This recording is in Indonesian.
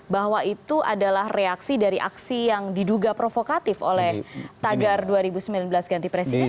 bahwa itu adalah reaksi dari aksi yang diduga provokatif oleh tagar dua ribu sembilan belas ganti presiden